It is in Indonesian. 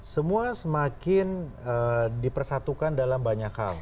semua semakin dipersatukan dalam banyak hal